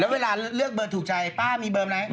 แล้วเวลาเลือกเบอร์ถูกใจป้ามีเบอร์อะไร